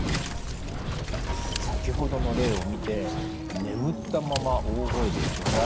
先ほどの例を見て眠ったまま大声でどなる。